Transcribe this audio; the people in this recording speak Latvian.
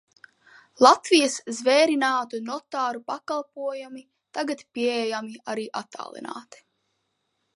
Latvijas zvērinātu notāru pakalpojumi tagad pieejami arī attālināti.